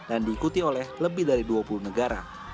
dan diikuti oleh lebih dari dua puluh negara